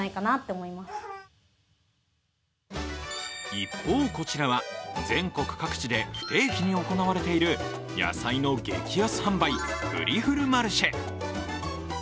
一方、こちらは全国各地で不定期に行われている野菜の激安販売、フリフルマルシェ。